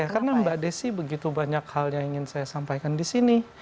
ya karena mbak desi begitu banyak hal yang ingin saya sampaikan disini